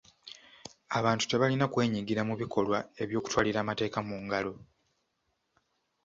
Abantu tebalina kwenyigira mu bikolwa eby'okutwalira amateeka mu ngalo.